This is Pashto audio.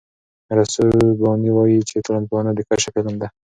رسول رباني وايي چې ټولنپوهنه د کشف علم دی.